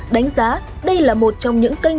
đánh giá đây là một trong những kênh